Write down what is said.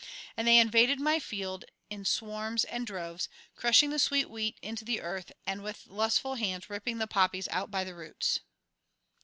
And they invaded my field in swarms and droves, crushing the sweet wheat into the earth and with lustful hands ripping the poppies out by the roots.